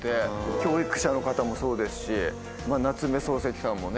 教育者の方もそうですし夏目漱石さんもね。